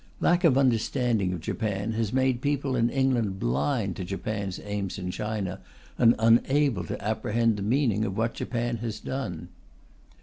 Lack of understanding of Japan has made people in England blind to Japan's aims in China, and unable to apprehend the meaning of what Japan has done.